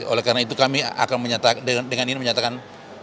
oleh karena itu kami akan menyatakan dengan ingin menyatakan